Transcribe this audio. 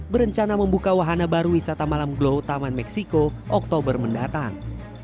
berencana membuka wahana baru wisata malam glow taman meksiko oktober mendatang